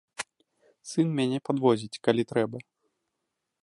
Сын мяне падвозіць, калі трэба.